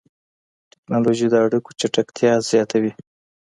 ټکنالوژي د اړيکو چټکتيا زياتوي.